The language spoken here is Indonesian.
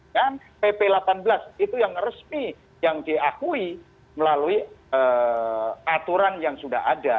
dan pp delapan belas itu yang resmi yang diakui melalui aturan yang sudah ada